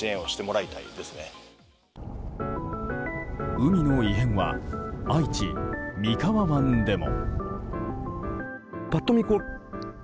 海の異変は愛知・三河湾でも。